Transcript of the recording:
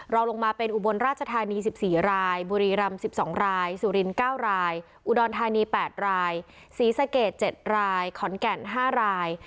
ลงมาเป็นอุบลราชธานี๑๔รายบุรีรำ๑๒รายสุรินทร์๙รายอุดรธานี๘รายศรีสะเกด๗รายขอนแก่น๕ราย